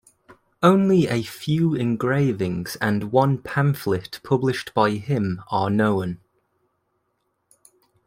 Only a few engravings and one pamphlet published by him are known.